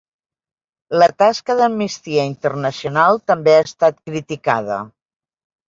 La tasca d'Amnistia Internacional també ha estat criticada.